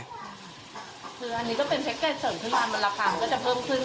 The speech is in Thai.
คืออันนี้ก็เป็นแพ็กเกจเสริมขึ้นมามูลค่ามันก็จะเพิ่มขึ้น